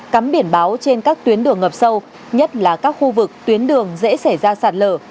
cắm biển báo trên các tuyến đường ngập sâu nhất là các khu vực tuyến đường dễ xảy ra sạt lở